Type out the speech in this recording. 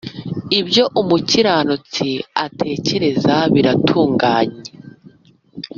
ibyo umukiranutsi atekereza biratunganye,